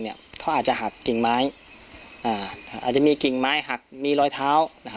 เขาอาจจะหักกิ่งไม้อาจจะมีกิ่งไม้หักมีรอยเท้า